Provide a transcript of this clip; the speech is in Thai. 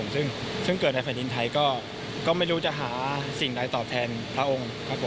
ซึ่งเกิดในแผ่นดินไทยก็ไม่รู้จะหาสิ่งใดตอบแทนพระองค์ครับผม